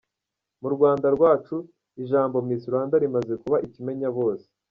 Mu Rwanda rwacu ijambo ‘miss Rwanda’ rimaze kuba ikimenyabose.